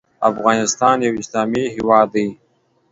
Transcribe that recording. افغانستان یو اسلامې هیواد ده